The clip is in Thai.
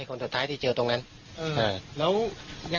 แล้วเขาตอนพี่ขับเอาไปเห็นรถเขาอยู่อยู่